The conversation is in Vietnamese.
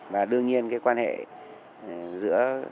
và đương nhiên cái quan hệ giữa